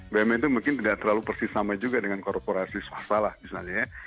bumn itu mungkin tidak terlalu persis sama juga dengan korporasi swasta lah misalnya ya